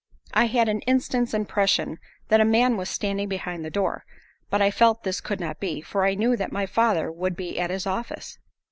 I had an instant's impression that a man was standing behind the door, but I felt this could not be, for I knew that my father would be at his office.